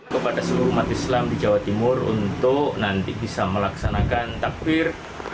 kepada seluruh umat islam di jawa timur untuk nanti bisa melaksanakan takbir